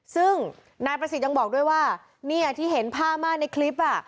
ซึ่งนายประสิทธิ์ยังบอกด้วยว่าเนี่ยที่เห็นผ้าม่าในคลิป